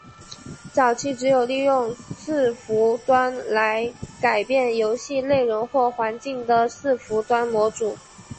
早期只有利用伺服端来改变游戏内容或环境的伺服端模组。